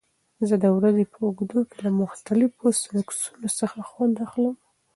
زه د ورځې په اوږدو کې له مختلفو سنکسونو څخه خوند اخلم.